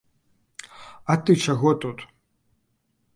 А ты чаго тут?